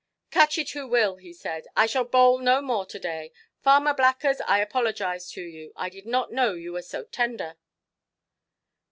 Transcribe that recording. "Catch it who will", he said; "I shall bowl no more to–day. Farmer Blackers, I apologise to you; I did not know you were so tender".